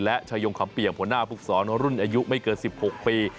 และชายงคำเปี่ยมหัวหน้าภูกษรรุ่นอายุไม่เกิน๑๖ปี